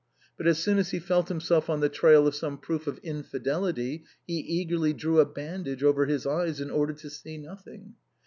But as soon as he felt himself on the trail of some proof of infidelity, he eagerly drew a bandage over his eyes in order to see noth ing.